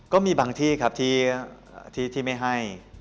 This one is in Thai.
ก็มีบางที่ครับที่ไม่ให้